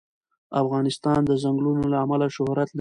افغانستان د ځنګلونه له امله شهرت لري.